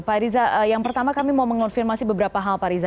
pak riza yang pertama kami mau mengonfirmasi beberapa hal pak riza